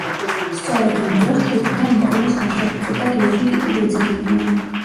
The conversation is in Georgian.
სწორედ ამ დროს ჯგუფიდან ნიკოლოზ ვაშაკიძე და გიორგი კიკნაძე მიდიან.